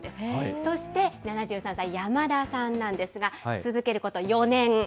そして、７３歳、山田さんなんですが、続けること４年。